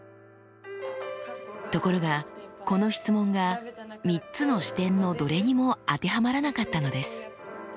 ところがこの質問が３つの視点のどれにも当てはまらなかったのです。